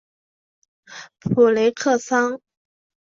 普雷克桑。